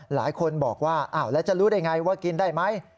หลายคนบอกว่าอ้าวแล้วจะรู้ได้ไงว่ากินได้ไหม